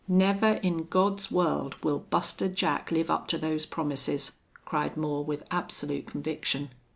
"Never in God's world will Buster Jack live up to those promises!" cried Moore, with absolute conviction.